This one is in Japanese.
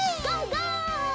ゴー！